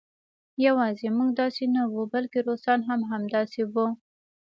یوازې موږ داسې نه وو بلکې روسان هم همداسې وو